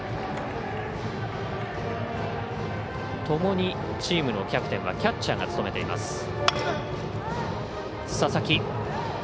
ともにチームのキャプテンはキャッチャーが務めています。